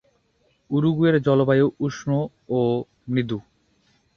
উরুগুয়ের জলবায়ু উষ্ম ও মৃদু।